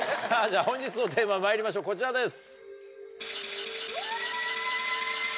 本日のテーマまいりましょうこちらです。